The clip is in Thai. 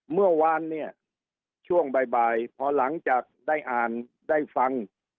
เมื่อวานเนี่ยช่วงบ่ายพอหลังจากได้อ่านได้ฟัง